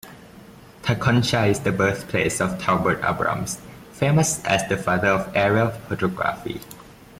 Tekonsha is the birthplace of Talbert Abrams, famous as the Father of Aerial Photography.